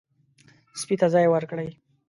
سپي ته ځای ورکړئ.